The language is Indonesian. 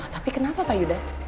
tapi kenapa pak yuda